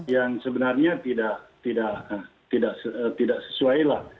yang sebenarnya tidak sesuai lah